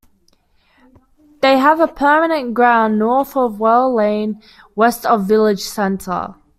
They have a permanent ground north of Well Lane, west of the village centre.